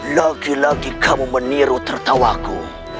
lagi lagi kamu meniru tertawaku